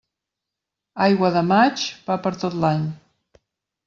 Aigua de maig, pa per tot l'any.